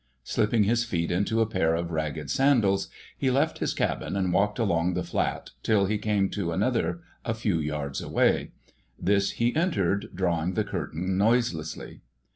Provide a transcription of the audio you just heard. Slipping his feet into a pair of ragged sandals, he left his cabin and walked along the flat till he came to another a few yards away; this he entered, drawing the curtain noiselessly.